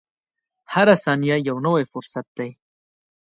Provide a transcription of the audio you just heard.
• هره ثانیه یو نوی فرصت دی.